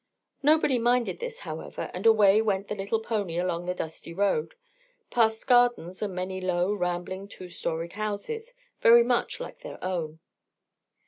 Nobody minded this, however, and away went the little pony along the dusty road, past gardens and many low, rambling two storied houses very much like their own.